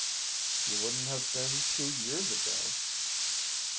"You wouldn't have been two years ago."